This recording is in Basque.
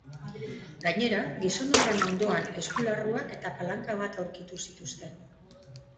Gainera, gizon horren ondoan eskularruak eta palanka bat aurkitu zituzten.